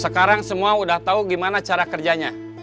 sekarang semua udah tahu gimana cara kerjanya